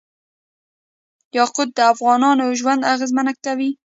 یاقوت د افغانانو ژوند اغېزمن کوي.